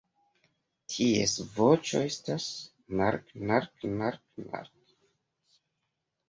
Ties voĉo estas ""nark-nark-nark-nark"".